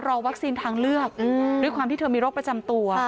รอวัคซีนทางเลือกด้วยความที่เธอมีโรคประจำตัว